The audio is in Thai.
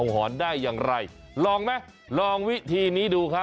พี่หอนหาชิ้น